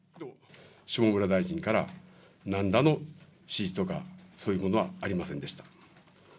下村大臣から、なんらの指示とか、そういうものはありませんでした。